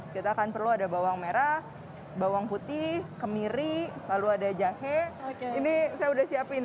kita akan perlu ada bawang merah bawang putih kemiri lalu ada jahe ini saya udah siapin